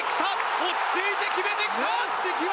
落ち着いて決めてきた！